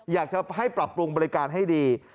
อยากจะให้ปรับปรุงบริการให้ดี